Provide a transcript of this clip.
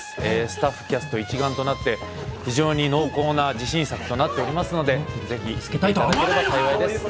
スタッフ・キャスト一丸となって非常に濃厚な自信作となっておりますので、ぜひ見ていただけたら光栄です。